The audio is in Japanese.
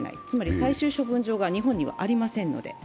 つまり最終処分場が日本にはありませんので。